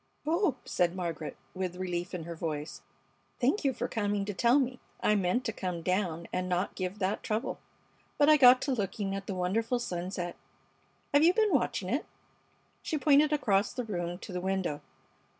"Oh!" said Margaret, with relief in her voice. "Thank you for coming to tell me. I meant to come down and not give that trouble, but I got to looking at the wonderful sunset. Have you been watching it?" She pointed across the room to the window.